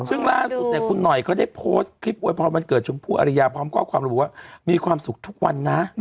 ซึ่งล่าสุดเนี่ยคุณหน่อยเขาได้โพสต์คลิปอวยพรวันเกิดชมพู่อริยาพร้อมข้อความระบุว่ามีความสุขทุกวันนะ